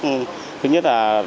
để phục vụ công tác